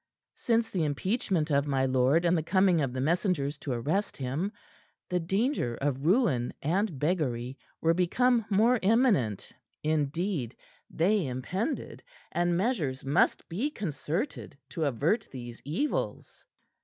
Since the impeachment of my lord and the coming of the messengers to arrest him, the danger of ruin and beggary were become more imminent indeed, they impended, and measures must be concerted to avert these evils.